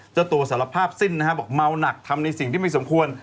เจ้าตัวสารภาพสิ้นนะฮะบอกเมาหนักทำในสิ่งที่ไม่สมควร